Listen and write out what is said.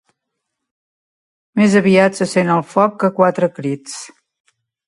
Més aviat se sent el foc que quatre crits.